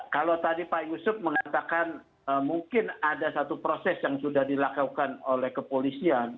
kalau tadi pak yusuf mengatakan mungkin ada satu proses yang sudah dilakukan oleh kepolisian